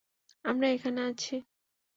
আমরা এখানে আছি!